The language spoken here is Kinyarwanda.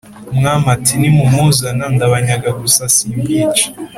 umwami ati"nimumuzana ndabanyaga gusa simbica"